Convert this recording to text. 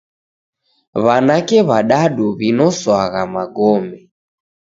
W'anake w'adadu w'inoswagha magome.